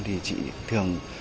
thì chị thường